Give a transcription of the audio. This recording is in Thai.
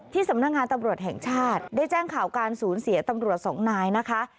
สำนักงานตำรวจแห่งชาติได้แจ้งข่าวการสูญเสียตำรวจสองนายนะคะ